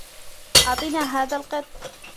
أعطنا هذا القط.